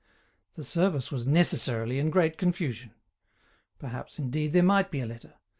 The service was necessarily in great confusion! Perhaps, indeed, there might be a letter.